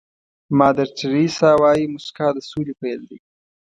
مادر تیریسا وایي موسکا د سولې پيل دی.